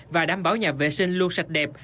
và đảm bảo nhà vệ sinh luôn sạch đẹp